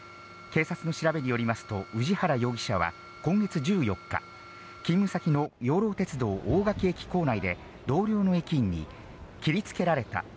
警察の調べによりますと、氏原容疑者は今月１４日、勤務先の養老鉄道大垣駅構内で、同僚の駅員に、切りつけられた。